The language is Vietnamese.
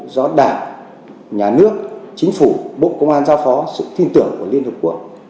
do đảng nhà nước chính phủ bộ công an giao phó sự tin tưởng của liên hợp quốc